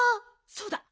そうだ！